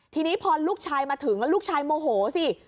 ทีนี้พอลูกชายมาถึงลูกชายโมโหสิ